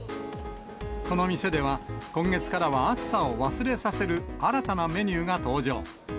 この店では、今月からは暑さを忘れさせる新たなメニューが登場。